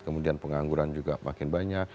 kemudian pengangguran juga makin banyak